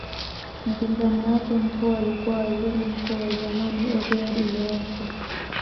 Mpinzani wake mkuu alikuwa Waziri Mkuu wa zamani Edward Lowassa